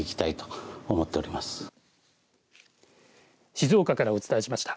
静岡からお伝えしました。